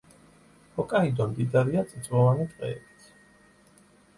ჰოკაიდო მდიდარია წიწვოვანი ტყეებით.